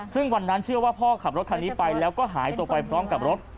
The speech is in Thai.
ซึ่งวันนั้นเชื่อว่าพ่อขับรถคันนี้ไปแล้วก็หายตัวไปพร้อมกับรถ